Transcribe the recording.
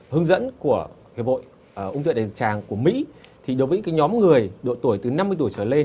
hướng dẫn của vội ung thư đại tràng của mỹ thì đối với nhóm người độ tuổi từ năm mươi tuổi trở lên